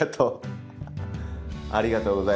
ありがとう。